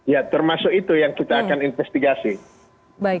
ya termasuk itu yang kita akan investigasi